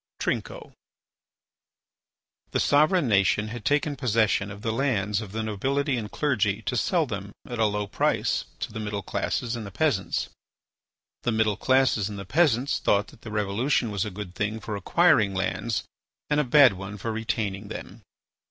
TRINCO The sovereign Nation had taken possession of the lands of the nobility and clergy to sell them at a low price to the middle classes and the peasants. The middle classes and the peasants thought that the revolution was a good thing for acquiring lands and a bad one for retaining them.